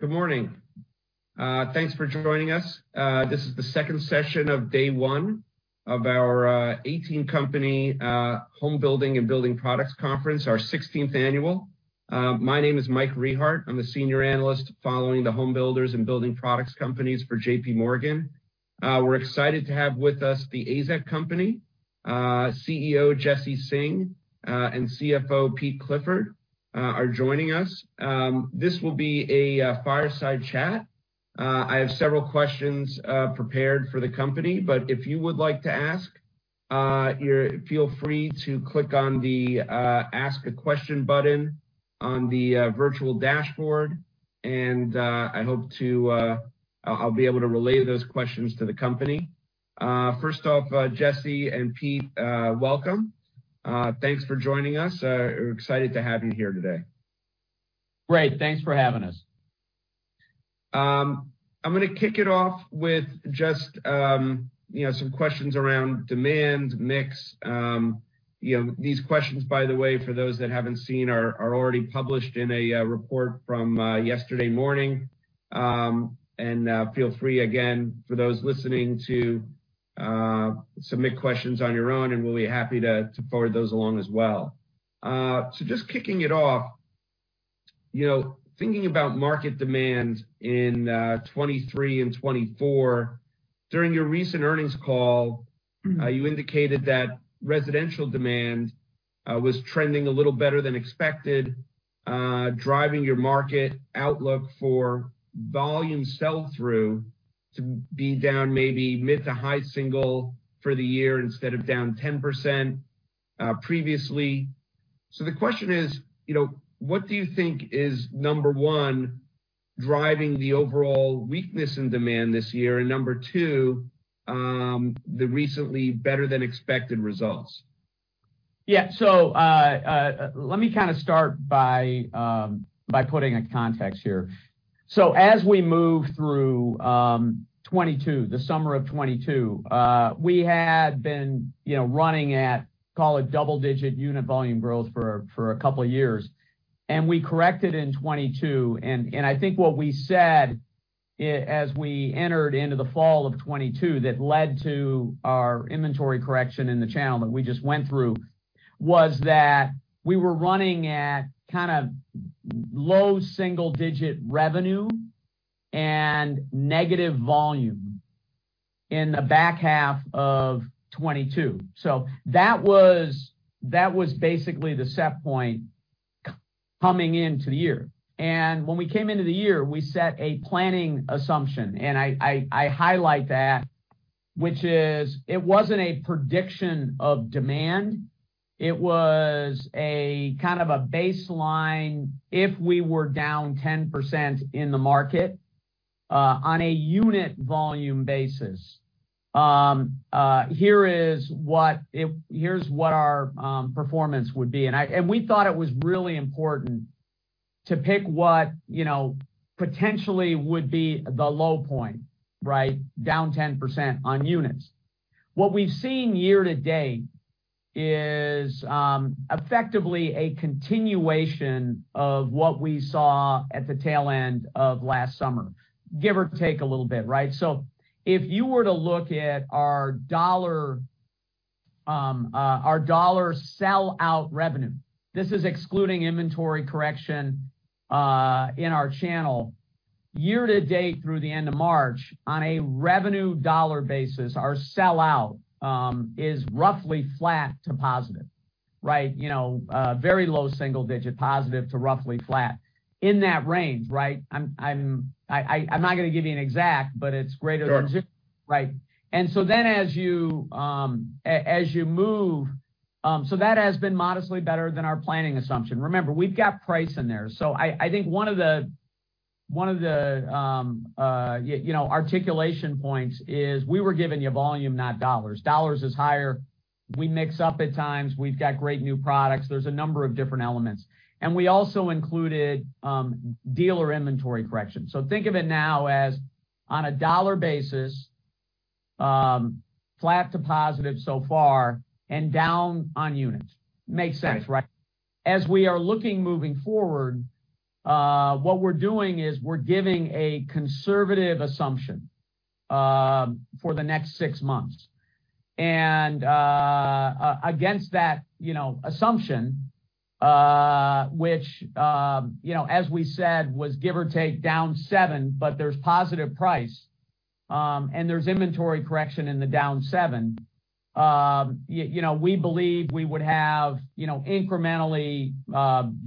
Good morning. Thanks for joining us. This is the second session of day one of our 18-company Homebuilding and Building Products Conference. Our 16th annual. My name is Michael Rehaut. I'm a Senior Analyst following the home builders and building products companies for J.P. Morgan. We're excited to have with us The AZEK Company. CEO Jesse Singh and CFO Peter Clifford are joining us. This will be a fireside chat. I have several questions prepared for the company. If you would like to ask, feel free to click on the Ask a Question button on the virtual dashboard. I'll be able to relay those questions to the company. First off, Jesse and Peter, welcome. Thanks for joining us. We're excited to have you here today. Great. Thanks for having us. I'm going kick it off with just, you know, some questions around demand, mix. You know, these questions, by the way, for those that haven't seen, are already published in a report from yesterday morning. Feel free, again, for those listening, to submit questions on your own, and we'll be happy to forward those along as well. Just kicking it off, you know, thinking about market demand in 2023 and 2024, during your recent earnings call. Mm-hmm. you indicated that residential demand was trending a little better than expected, driving your market outlook for volume sell-through to be down maybe mid to high single for the year instead of down 10% previously. The question is, you know, what do you think is, number one, driving the overall weakness in demand this year, and number two, the recently better than expected results? Yeah. Let me kind of start by putting a context here. As we move through 2022, the summer of 2022, we had been, you know, running at, call it, double-digit unit volume growth for a couple of years. We corrected in 2022. I think what we said as we entered into the fall of 2022 that led to our inventory correction in the channel that we just went through was that we were running at kind of low single-digit revenue and negative volume in the back half of 2022. That was basically the set point coming into the year. When we came into the year, we set a planning assumption, I highlight that, which is it wasn't a prediction of demand, it was a kind of a baseline, if we were down 10% in the market, on a unit volume basis. Here's what our performance would be. We thought it was really important to pick what, you know, potentially would be the low point, right? Down 10% on units. What we've seen year to date is effectively a continuation of what we saw at the tail end of last summer, give or take a little bit, right? If you were to look at our dollar, our dollar sell-out revenue, this is excluding inventory correction, in our channel. Year to date through the end of March, on a revenue dollar basis, our sell-out is roughly flat to positive, right? You know, very low single-digit positive to roughly flat. In that range, right? I'm not going to give you an exact, but it's greater than zero. Sure. Right. As you move, so that has been modestly better than our planning assumption. Remember, we've got price in there. I think one of the, one of the, you know, articulation points is we were giving you volume, not dollars. Dollars is higher. We mix up at times. We've got great new products. There's a number of different elements. We also included dealer inventory corrections. Think of it now as on a dollar basis, flat to positive so far and down on units. Makes sense, right? As we are looking moving forward, what we're doing is we're giving a conservative assumption for the next six months. Against that, you know, assumption, which, you know, as we said, was give or take down seven, but there's positive price, and there's inventory correction in the down seven. You know, we believe we would have, you know, incrementally,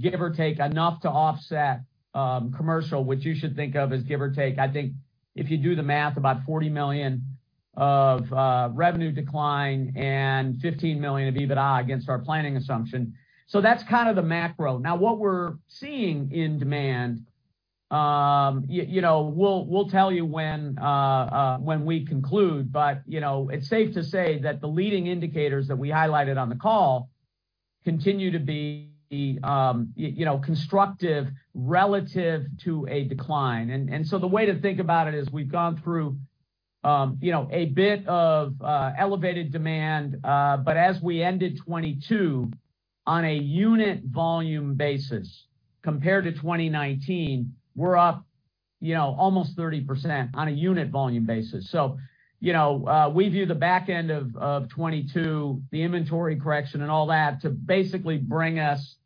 give or take, enough to offset commercial, which you should think of as give or take, I think, if you do the math, about 40 million of revenue decline and 15 million of EBITDA against our planning assumption. That's kind of the macro. What we're seeing in demand, you know, we'll tell you when we conclude. You know, it's safe to say that the leading indicators that we highlighted on the call continue to be, you know, constructive relative to a decline. The way to think about it is we've gone through, you know, a bit of elevated demand, as we ended 2022 on a unit volume basis compared to 2019, we're up, you know, almost 30% on a unit volume basis. You know, we view the back end of 2022, the inventory correction and all that to basically bring us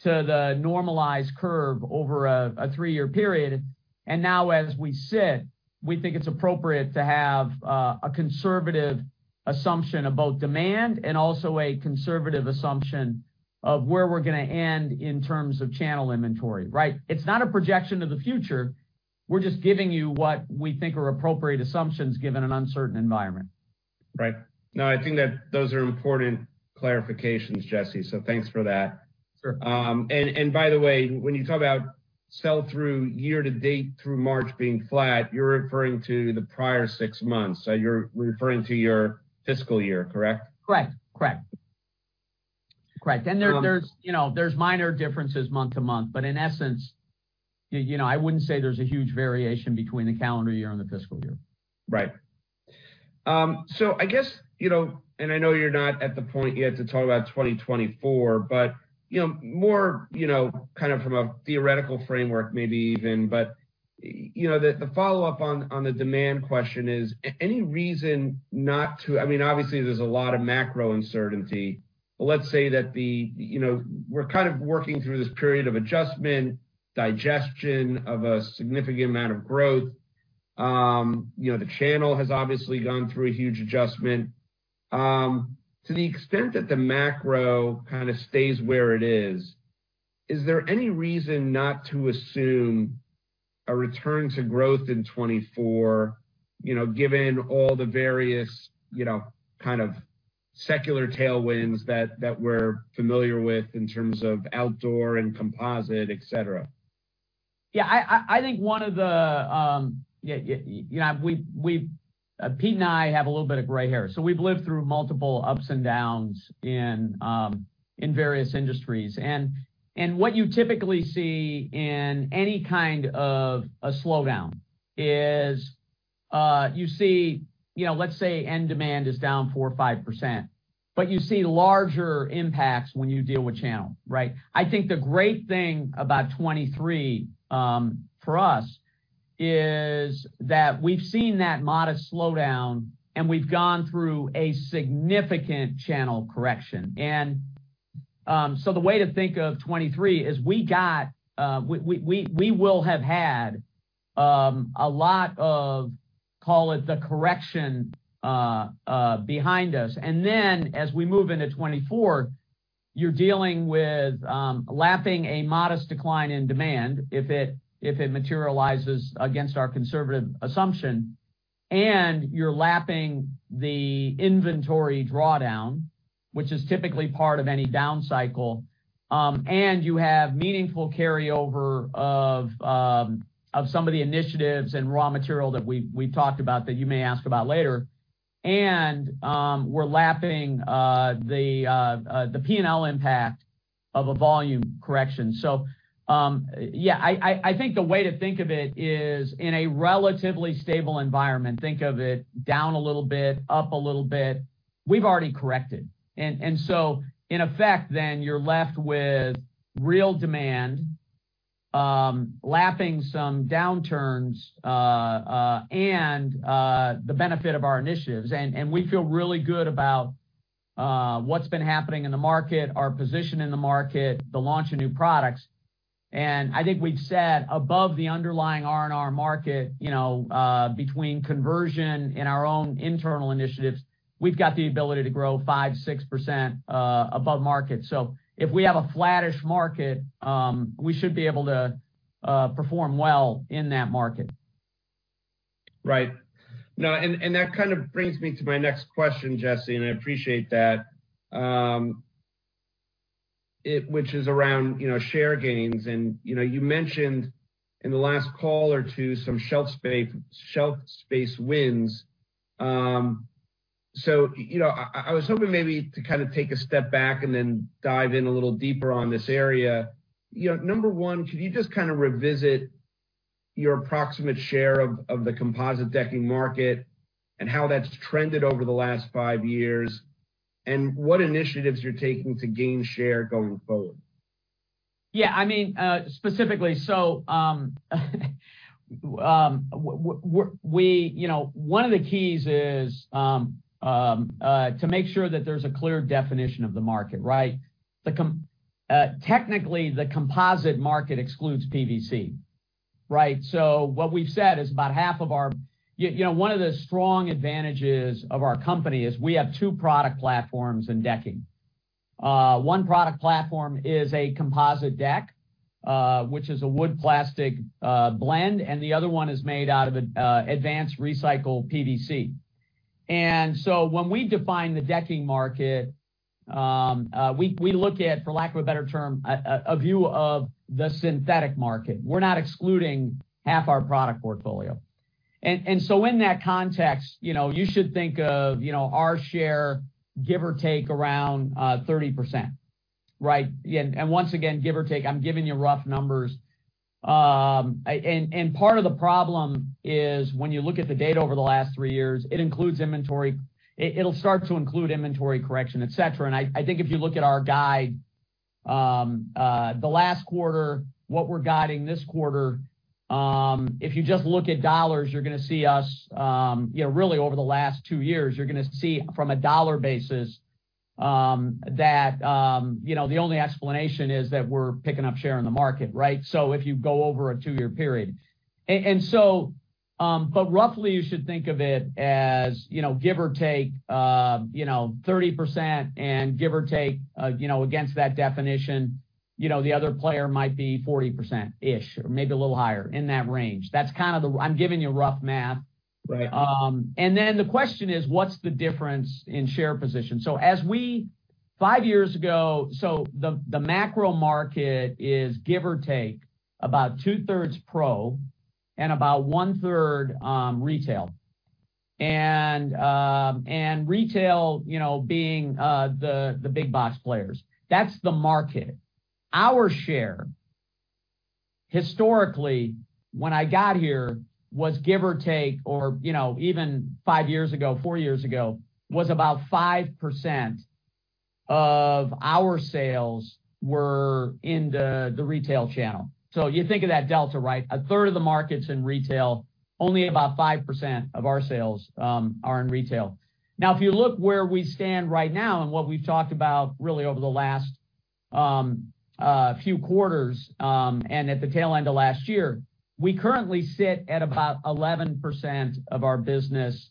to the normalized curve over a three-year period. Now, as we sit, we think it's appropriate to have a conservative assumption of both demand and also a conservative assumption of where we're gonna end in terms of channel inventory, right? It's not a projection of the future. We're just giving you what we think are appropriate assumptions given an uncertain environment. Right. No, I think that those are important clarifications, Jesse, thanks for that. Sure. By the way, when you talk about sell-through year to date through March being flat, you're referring to the prior six months. You're referring to your fiscal year, correct? Correct. Correct. Correct. Um- There's, you know, there's minor differences month-over-month, but in essence, you know, I wouldn't say there's a huge variation between the calendar year and the fiscal year. Right. I guess, you know, and I know you're not at the point yet to talk about 2024, you know, more, you know, kind of from a theoretical framework maybe even, you know, the follow-up on the demand question is, any reason not to... I mean, obviously there's a lot of macro uncertainty. Let's say that the... we're kind of working through this period of adjustment, digestion of a significant amount of growth. You know, the channel has obviously gone through a huge adjustment. To the extent that the macro kind of stays where it is there any reason not to assume a return to growth in 2024, you know, given all the various, you know, kind of secular tailwinds that we're familiar with in terms of outdoor and composite, et cetera? You know, Pete and I have a little bit of gray hair. We've lived through multiple ups and downs in various industries. What you typically see in any kind of a slowdown is, you see, you know, let's say end demand is down 4% or 5%, but you see larger impacts when you deal with channel, right? I think the great thing about 2023 for us is that we've seen that modest slowdown, and we've gone through a significant channel correction. The way to think of 2023 is we got, we will have had a lot of, call it, the correction behind us. As we move into 2024, you're dealing with, lapping a modest decline in demand if it materializes against our conservative assumption, and you're lapping the inventory drawdown, which is typically part of any down cycle, and you have meaningful carryover of some of the initiatives and raw material that we talked about that you may ask about later. We're lapping the P&L impact of a volume correction. Yeah, I think the way to think of it is in a relatively stable environment, think of it down a little bit, up a little bit. We've already corrected. In effect then you're left with real demand, lapping some downturns, and the benefit of our initiatives. We feel really good about what's been happening in the market, our position in the market, the launch of new products. I think we've said above the underlying R&R market, you know, between conversion and our own internal initiatives, we've got the ability to grow 5% to 6% above market. If we have a flattish market, we should be able to perform well in that market. Right. No, that kind of brings me to my next question, Jesse, and I appreciate that, which is around, you know, share gains. You know, you mentioned in the last call or two some shelf space wins. You know, I was hoping maybe to kind of take a step back and then dive in a little deeper on this area. You know, number one, could you just kind of revisit your approximate share of the composite decking market and how that's trended over the last five years, and what initiatives you're taking to gain share going forward? I mean, specifically. We, you know, one of the keys is to make sure that there's a clear definition of the market, right? Technically, the composite market excludes PVC, right? What we've said is about half of our... You know, one of the strong advantages of our company is we have two product platforms in decking. One product platform is a composite deck, which is a wood-plastic blend, and the other one is made out of an Advanced PVC. When we define the decking market, we look at, for lack of a better term, a view of the synthetic market. We're not excluding half our product portfolio. In that context, you know, you should think of, you know, our share, give or take around 30%. Right. Once again, give or take, I'm giving you rough numbers. Part of the problem is when you look at the data over the last three years, it includes inventory. It'll start to include inventory correction, et cetera. I think if you look at our guide, the last quarter, what we're guiding this quarter, if you just look at dollars, you're gonna see us, you know, really over the last two years, you're going to see from a dollar basis, that, you know, the only explanation is that we're picking up share in the market, right? If you go over a two-year period. Roughly, you should think of it as, you know, give or take, you know, 30% and give or take, you know, against that definition, you know, the other player might be 40%-ish or maybe a little higher in that range. That's kind of the. I'm giving you rough math. Right. The question is, what's the difference in share position? Five years ago, the macro market is, give or take, about 2/3 pro and about 1/3 retail. Retail, you know, being the big box players. That's the market. Our share, historically, when I got here, was give or take, or, you know, even five years ago, four years ago, was about 5% of our sales were in the retail channel. You think of that delta, right? A third of the market's in retail, only about 5% of our sales are in retail. If you look where we stand right now and what we've talked about really over the last few quarters and at the tail end of last year, we currently sit at about 11% of our business,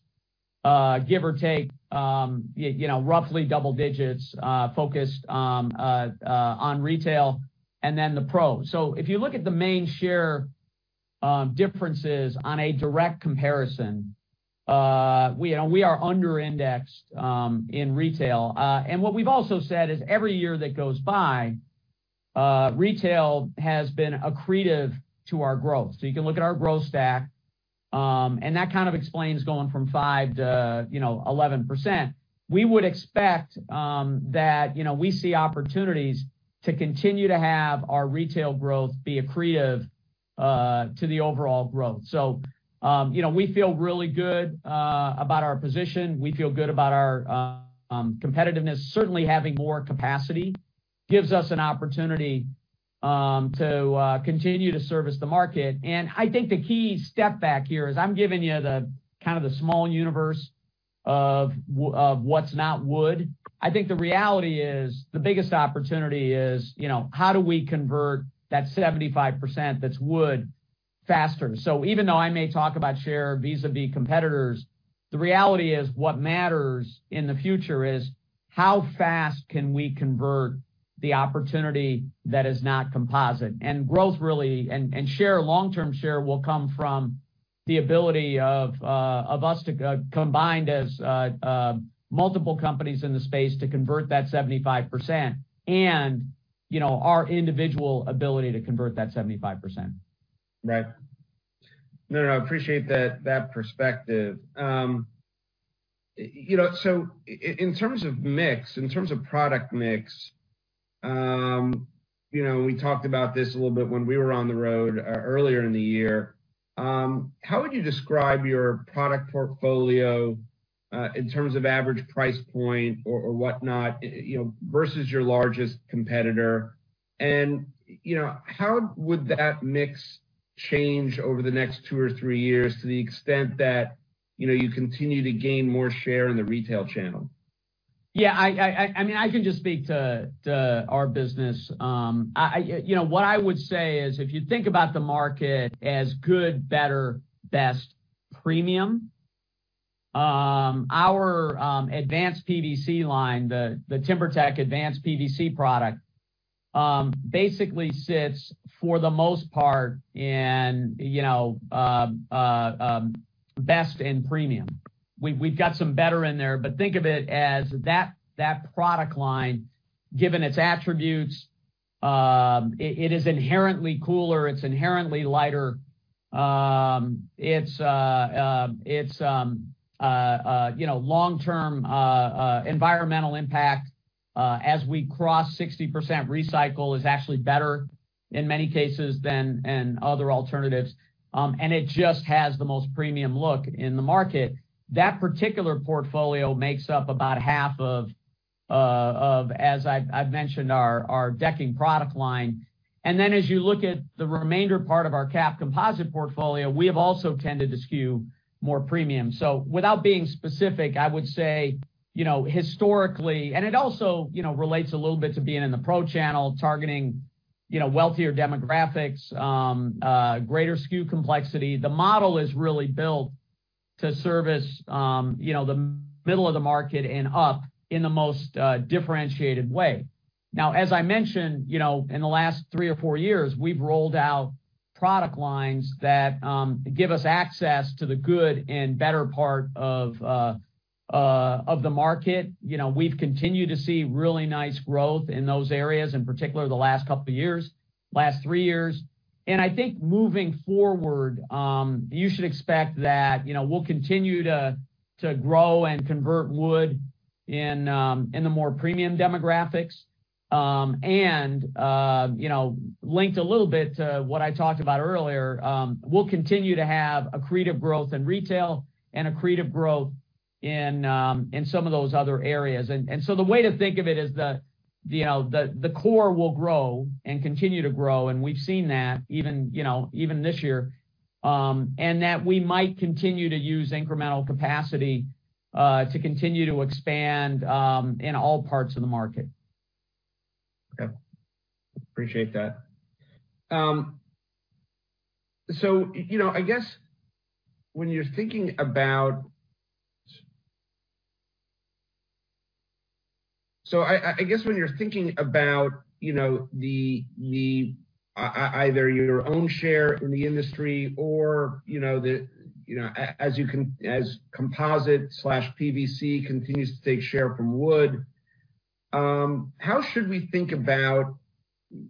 give or take, you know, roughly double digits, focused on retail and then the pro. If you look at the main share differences on a direct comparison, we, you know, we are under indexed in retail. What we've also said is every year that goes by, retail has been accretive to our growth. You can look at our growth stack, and that kind of explains going from 5% to, you know, 11%. We would expect that, you know, we see opportunities to continue to have our retail growth be accretive to the overall growth. You know, we feel really good about our position. We feel good about our competitiveness. Certainly, having more capacity gives us an opportunity to continue to service the market. I think the key step back here is I'm giving you the kind of the small universe of what's not wood. I think the reality is the biggest opportunity is, you know, how do we convert that 75% that's wood faster? Even though I may talk about share vis-à-vis competitors, the reality is what matters in the future is how fast can we convert the opportunity that is not composite. Growth really, and share, long-term share will come from the ability of us to combined as multiple companies in the space to convert that 75% and, you know, our individual ability to convert that 75%. Right. No, no, I appreciate that perspective. You know, so in terms of mix, in terms of product mix, you know, we talked about this a little bit when we were on the road earlier in the year. How would you describe your product portfolio in terms of average price point or whatnot, you know, versus your largest competitor? You know, how would that mix change over the next two or three years to the extent that, you know, you continue to gain more share in the retail channel? Yeah, I mean, I can just speak to our business. I, you know, what I would say is if you think about the market as good, better, best, premium, our Advanced PVC line, the TimberTech Advanced PVC product, basically sits for the most part in, you know, best and premium. We've got some better in there, but think of it as that product line, given its attributes, it is inherently cooler, it's inherently lighter. It's, you know, long-term environmental impact, as we cross 60% recycle is actually better in many cases than other alternatives. And it just has the most premium look in the market. That particular portfolio makes up about half of, as I've mentioned, our decking product line. As you look at the remainder part of our capped composite portfolio, we have also tended to skew more premium. Without being specific, I would say, you know, historically, and it also, you know, relates a little bit to being in the pro channel, targeting, you know, wealthier demographics, greater SKU complexity. The model is really built to service, you know, the middle of the market and up in the most differentiated way. As I mentioned, you know, in the last three or four years, we've rolled out product lines that give us access to the good and better part of the market. You know, we've continued to see really nice growth in those areas, in particular the last two years, last three years. I think moving forward, you should expect that, you know, we'll continue to grow and convert wood in the more premium demographics. You know, linked a little bit to what I talked about earlier, we'll continue to have accretive growth in retail and accretive growth in some of those other areas. The way to think of it is, you know, the core will grow and continue to grow, and we've seen that even, you know, even this year, and that we might continue to use incremental capacity to continue to expand in all parts of the market. Okay. Appreciate that. I guess when you're thinking about, you know, either your own share in the industry or, you know, as composite/PVC continues to take share from wood, how should we think about,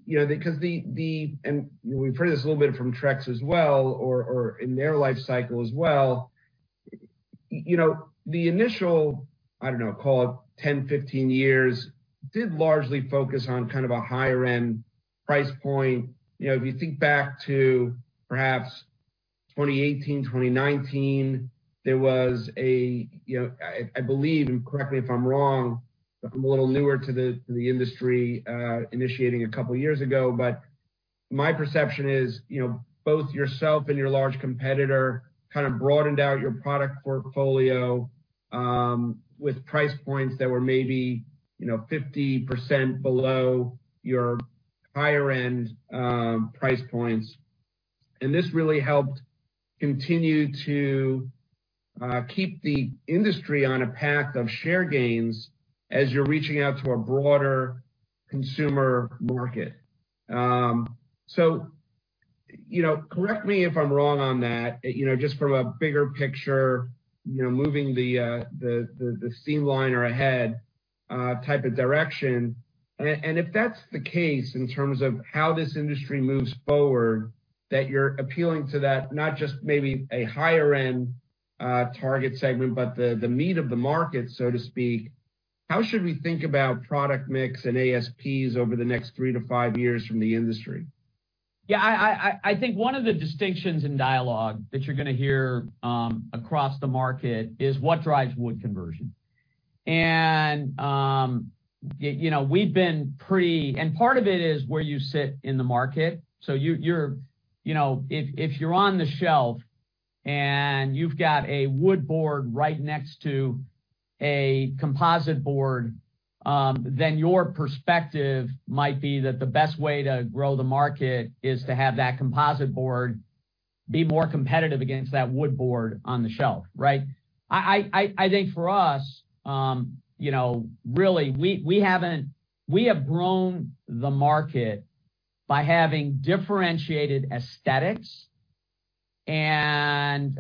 you know, because and we've heard this a little bit from Trex as well or in their life cycle as well. You know, the initial, I don't know, call it 10, 15 years, did largely focus on kind of a higher end price point. You know, if you think back to perhaps 2018, 2019, there was a, you know, I believe, and correct me if I'm wrong, I'm a little newer to the industry, initiating a couple of years ago, but my perception is, you know, both yourself and your large competitor kind of broadened out your product portfolio, with price points that were maybe, you know, 50% below your higher end, price points. This really helped continue to keep the industry on a path of share gains as you're reaching out to a broader consumer market. You know, correct me if I'm wrong on that, you know, just from a bigger picture, you know, moving the streamlining ahead, type of direction. If that's the case in terms of how this industry moves forward, that you're appealing to that, not just maybe a higher end, target segment, but the meat of the market, so to speak, how should we think about product mix and ASPs over the next three to five years from the industry? Yeah, I think one of the distinctions in dialogue that you're going to hear across the market is what drives wood conversion. You know, part of it is where you sit in the market. You know, if you're on the shelf and you've got a wood board right next to a composite board, then your perspective might be that the best way to grow the market is to have that composite board be more competitive against that wood board on the shelf, right? I think for us, you know, really we have grown the market by having differentiated aesthetics and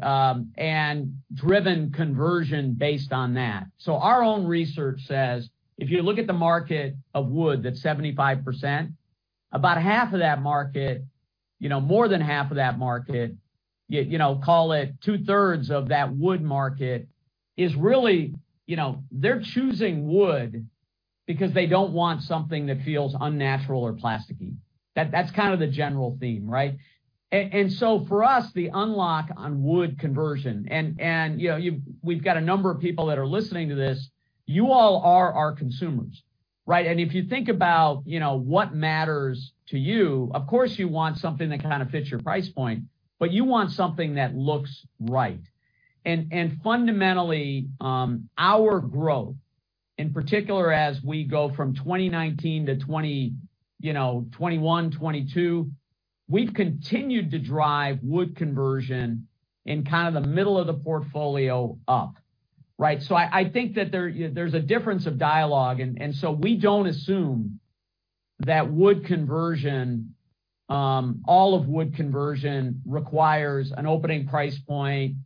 driven conversion based on that. Our own research says, if you look at the market of wood, that's 75%, about half of that market, you know, more than half of that market, you know, call it two-thirds of that wood market is really, you know, they're choosing wood because they don't want something that feels unnatural or plasticky. That's kind of the general theme, right? For us, the unlock on wood conversion and, you know, we've got a number of people that are listening to this, you all are our consumers, right? If you think about, you know, what matters to you, of course, you want something that kind of fits your price point, but you want something that looks right. Fundamentally, our growth, in particular as we go from 2019 to 2021, 2022, we've continued to drive wood conversion in kind of the middle of the portfolio up, right? I think that there's a difference of dialogue. We don't assume that wood conversion, all of wood conversion requires an opening price point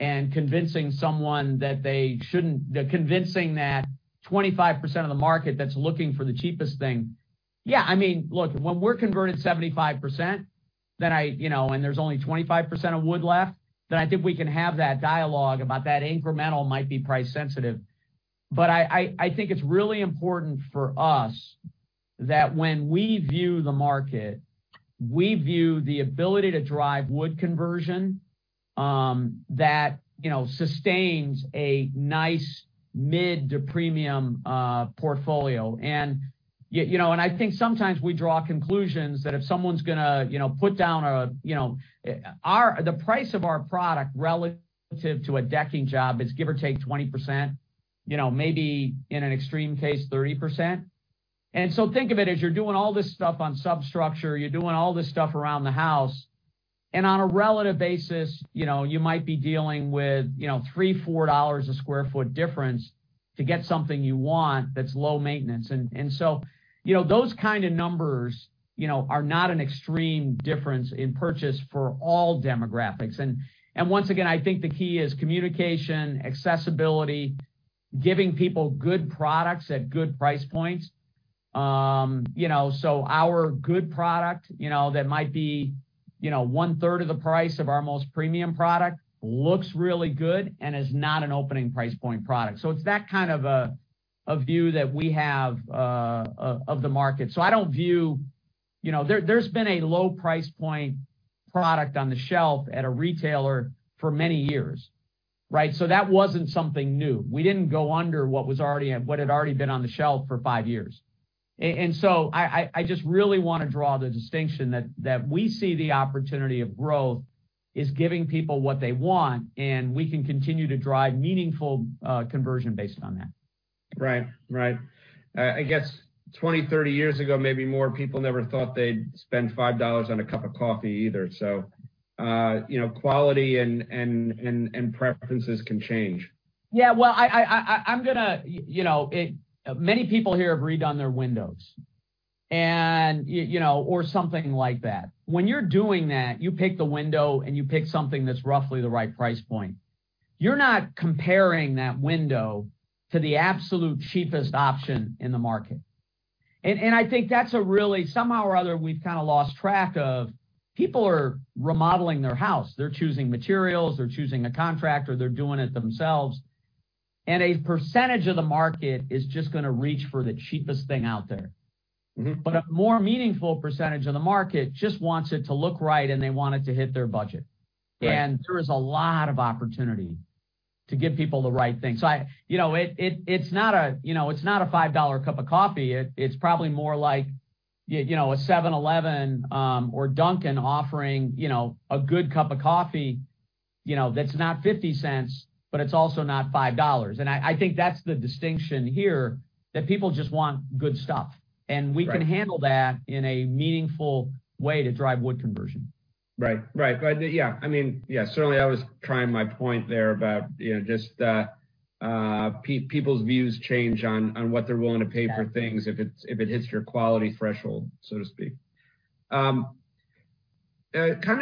and convincing someone that they shouldn't. The convincing that 25% of the market that's looking for the cheapest thing. Yeah, I mean, look, when we're converting 75%, then I, you know, and there's only 25% of wood left, then I think we can have that dialogue about that incremental might be price sensitive. I think it's really important for us that when we view the market, we view the ability to drive wood conversion, that, you know, sustains a nice mid to premium portfolio. You know, I think sometimes we draw conclusions that if someone's going to, you know, put down a, you know, The price of our product relative to a decking job is give or take 20%, you know, maybe in an extreme case, 30%. Think of it as you're doing all this stuff on substructure, you're doing all this stuff around the house, and on a relative basis, you know, you might be dealing with, you know, $3, $4 a square foot difference to get something you want that's low maintenance. You know, those kind of numbers, you know, are not an extreme difference in purchase for all demographics. Once again, I think the key is communication, accessibility, giving people good products at good price points. You know, so our good product, you know, that might be, you know, one-third of the price of our most premium product looks really good, and is not an opening price point product. It's that kind of a view that we have, of the market. I don't view. You know, there's been a low price point product on the shelf at a retailer for many years, right? That wasn't something new. We didn't go under what had already been on the shelf for five years. I just really want to draw the distinction that we see the opportunity of growth is giving people what they want, and we can continue to drive meaningful conversion based on that. Right. Right. I guess 20, 30 years ago, maybe more people never thought they'd spend $5 on a cup of coffee either. you know, quality and preferences can change. Yeah. Well, I'm gonna. You know, many people here have redone their windows and, you know, or something like that. When you're doing that, you pick the window, and you pick something that's roughly the right price point. You're not comparing that window to the absolute cheapest option in the market. I think that's a really. Somehow or other, we've kind of lost track of people are remodeling their house. They're choosing materials. They're choosing a contractor. They're doing it themselves. A percentage of the market is just gonna reach for the cheapest thing out there. Mm-hmm. A more meaningful percentage of the market just wants it to look right, and they want it to hit their budget. Right. There is a lot of opportunity to give people the right thing. You know, it's not a, you know, it's not a $5 cup of coffee. It's probably more like, you know, a 7-Eleven or Dunkin' offering, you know, a good cup of coffee, you know, that's not 0.50, but it's also not $5. I think that's the distinction here, that people just want good stuff. Right. We can handle that in a meaningful way to drive wood conversion. Right. Right. Yeah, I mean, yeah, certainly I was trying my point there about, you know, just people's views change on what they're willing to pay. Yeah... for things if it's, if it hits your quality threshold, so to speak. Kind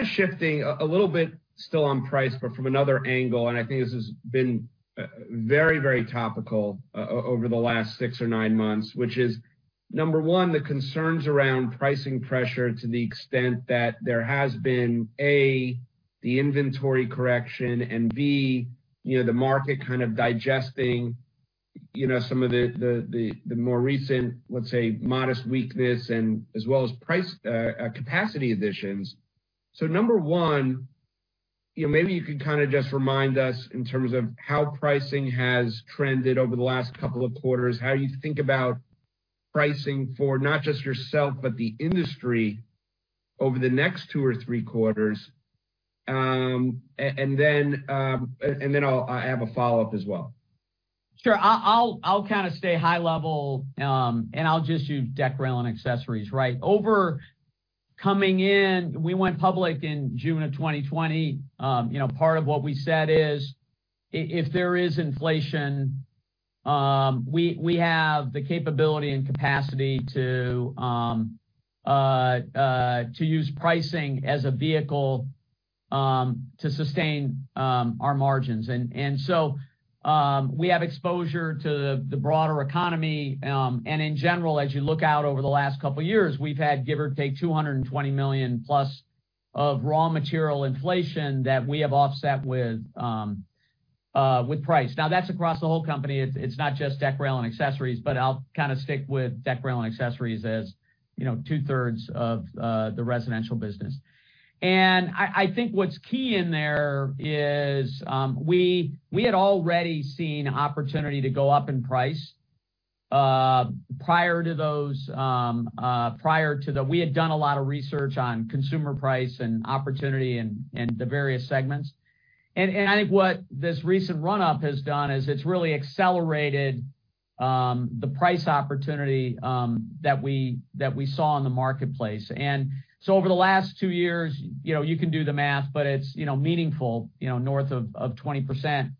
of shifting a little bit still on price, but from another angle. I think this has been very, very topical over the last 6 or 9 months, which is, number one, the concerns around pricing pressure to the extent that there has been, A, the inventory correction, and B, you know, the market kind of digesting, you know, some of the more recent, let's say, modest weakness and as well as price capacity additions. Number one, you know, maybe you can kind of just remind us in terms of how pricing has trended over the last couple of quarters, how you think about pricing for not just yourself, but the industry over the next two or three quarters. Then I'll... I have a follow-up as well. Sure. I'll kind of stay high level, and I'll just use Deck, Rail, and Accessories, right? Over coming in, we went public in June of 2020. You know, part of what we said is if there is inflation, we have the capability and capacity to use pricing as a vehicle to sustain our margins. We have exposure to the broader economy. In general, as you look out over the last couple of years, we've had, give or take, 220 million+ of raw material inflation that we have offset with price. Now that's across the whole company. It's not just Deck, Rail, and Accessories, but I'll kind of stick with Deck, Rail, and Accessories as, you know, two-thirds of the residential business. I think what's key in there is we had already seen opportunity to go up in price prior to those. We had done a lot of research on consumer price and opportunity in the various segments. I think what this recent run-up has done is it's really accelerated the price opportunity that we saw in the marketplace. Over the last two years, you know, you can do the math, but it's, you know, meaningful, you know, north of 20%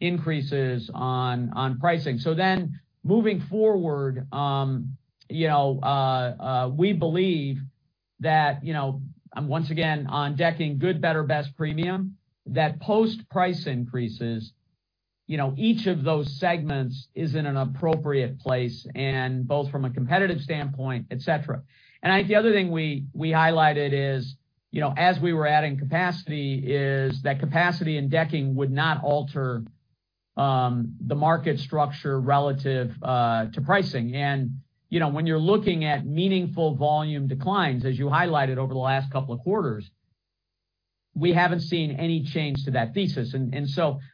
increases on pricing. Moving forward, you know, we believe that, you know, once again, on decking good, better, best premium, that post price increases, you know, each of those segments is in an appropriate place and both from a competitive standpoint, et cetera. I think the other thing we highlighted is, you know, as we were adding capacity, is that capacity in decking would not alter the market structure relative to pricing. You know, when you're looking at meaningful volume declines, as you highlighted over the last couple of quarters, we haven't seen any change to that thesis.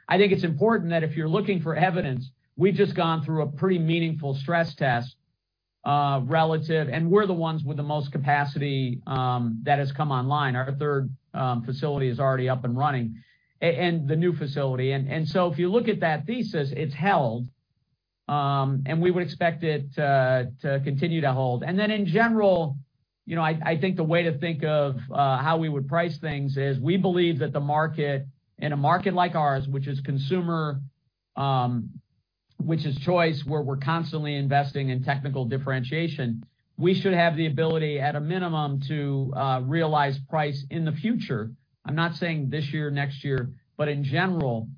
I think it's important that if you're looking for evidence, we've just gone through a pretty meaningful stress test relative, and we're the ones with the most capacity that has come online. Our third facility is already up and running and the new facility. If you look at that thesis, it's held, and we would expect it to continue to hold. In general, you know, I think the way to think of how we would price things is we believe that the market, in a market like ours, which is consumer, which is choice, where we're constantly investing in technical differentiation, we should have the ability, at a minimum, to realize price in the future. I'm not saying this year, next year, but in general,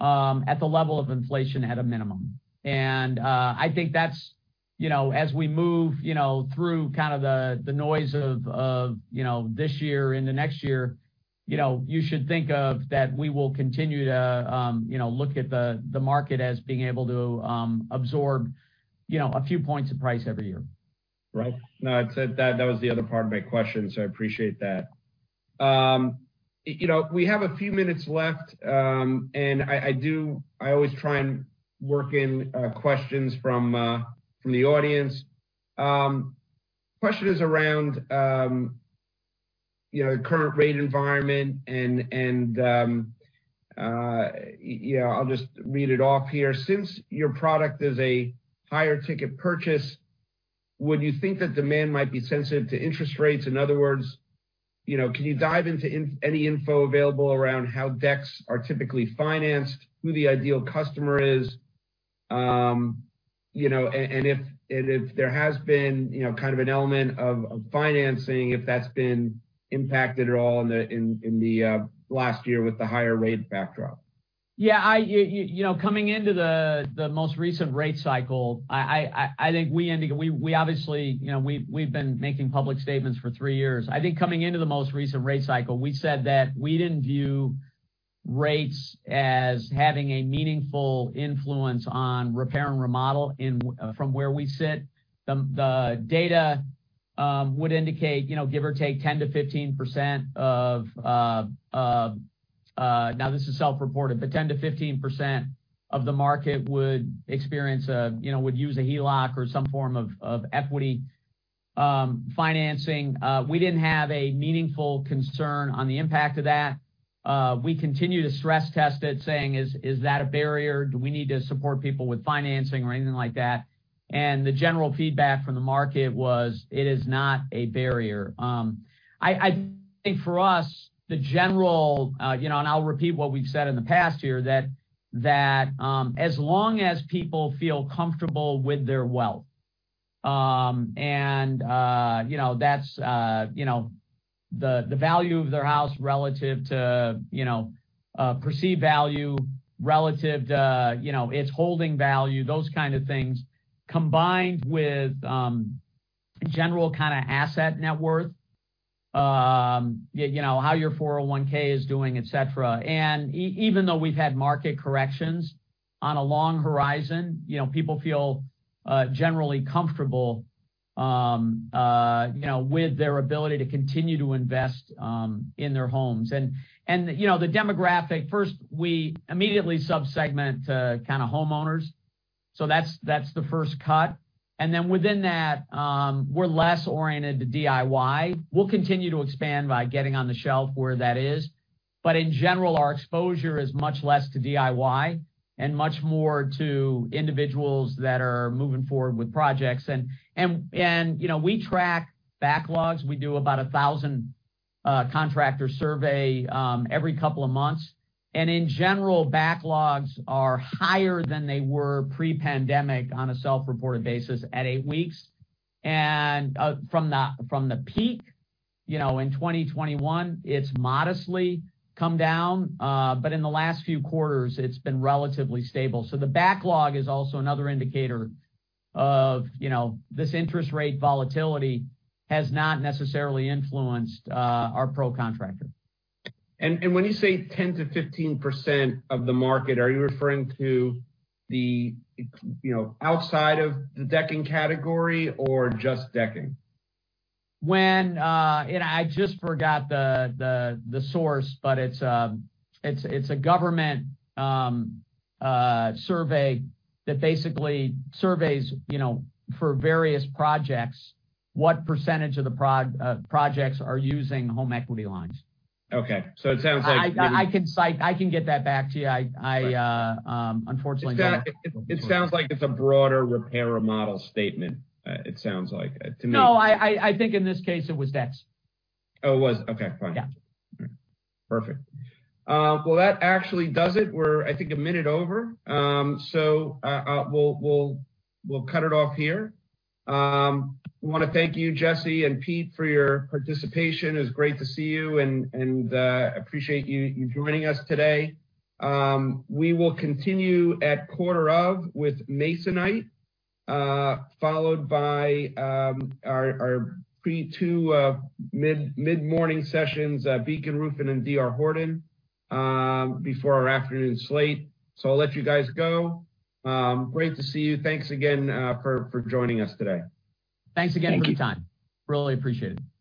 at the level of inflation at a minimum. I think that's, you know, as we move, you know, through kind of the noise of, you know, this year into next year, you know, you should think of that we will continue to, you know, look at the market as being able to absorb, you know, a few points of price every year. Right. No, That was the other part of my question. I appreciate that. You know, we have a few minutes left. I always try and work in questions from the audience. Question is around, you know, current rate environment and, you know, I'll just read it off here. Since your product is a higher ticket purchase, would you think that demand might be sensitive to interest rates? In other words, you know, can you dive into any info available around how decks are typically financed, who the ideal customer is? You know, if there has been, you know, kind of an element of financing, if that's been impacted at all in the last year with the higher rate backdrop. You know, coming into the most recent rate cycle, I think we ended... We obviously, you know, we've been making public statements for three years. I think coming into the most recent rate cycle, we said that we didn't view rates as having a meaningful influence on repair and remodel from where we sit. The data would indicate, you know, give or take 10% to 15% of, now this is self-reported, but 10% to 15% of the market would experience a, you know, would use a HELOC or some form of equity financing. We didn't have a meaningful concern on the impact of that. We continue to stress test it, saying, "Is that a barrier? Do we need to support people with financing or anything like that?" The general feedback from the market was, it is not a barrier. I think for us, the general, you know, and I'll repeat what we've said in the past year, that as long as people feel comfortable with their wealth, and, you know, that's, you know, the value of their house relative to, you know, perceived value relative to, you know, its holding value, those kind of things, combined with general kind of asset net worth, you know, how your 401(k) is doing, etc. Even though we've had market corrections on a long horizon, you know, people feel generally comfortable, you know, with their ability to continue to invest in their homes. You know, the demographic, first, we immediately sub-segment kind of homeowners. That's the first cut. Within that, we're less oriented to DIY. We'll continue to expand by getting on the shelf where that is. In general, our exposure is much less to DIY and much more to individuals that are moving forward with projects. You know, we track backlogs. We do about 1,000 contractor survey every couple of months. In general, backlogs are higher than they were pre-pandemic on a self-reported basis at eight weeks. From the peak, you know, in 2021, it's modestly come down. In the last few quarters, it's been relatively stable. The backlog is also another indicator of, you know, this interest rate volatility has not necessarily influenced our pro contractor. When you say 10%-15% of the market, are you referring to the, you know, outside of the decking category or just decking? When, and I just forgot the source, but it's a government, survey that basically surveys, you know, for various projects, what percentage of the projects are using home equity lines. Okay. It sounds like- I can cite. I can get that back to you. I. It sounds like it's a broader repair or model statement, it sounds like to me. No, I think in this case it was decks. Oh, it was? Okay, fine. Yeah. All right. Perfect. Well, that actually does it. We're, I think, a minute over. So, we'll cut it off here. I want to thank you, Jesse and Pete, for your participation. It's great to see you and appreciate you joining us today. We will continue at quarter of with Masonite, followed by our pre two mid-morning sessions, Beacon Roofing and D.R. Horton, before our afternoon slate. I'll let you guys go. Great to see you. Thanks again for joining us today. Thanks again for your time. I really appreciate it. Thanks.